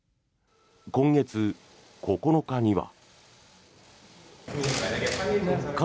今月９日には。